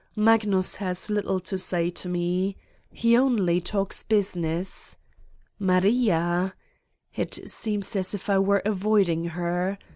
Magnus has little to say to me. He only 133 Satan's Diary talks business. Maria ... it seems as if I were avoiding her.